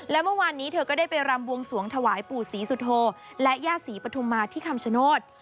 และเมื่อวานนี้เธอก็ได้ไปรำบวงสวงถวายปู่ศรีสุโธและย่าศรีปฐุมาที่คำชโนธ